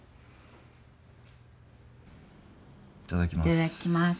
いただきます。